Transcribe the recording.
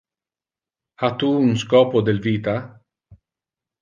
Ha tu un scopo del vita?